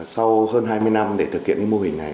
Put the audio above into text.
sau hơn hai mươi năm để thực hiện cái mô hình này